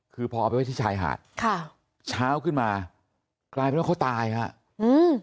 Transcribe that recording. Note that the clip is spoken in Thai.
คือพอเอาไปไว้ที่ชายหาดค่ะเช้าขึ้นมากลายเป็นว่าเขาตายฮะอืม